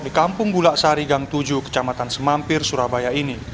di kampung bulaksari gang tujuh kecamatan semampir surabaya ini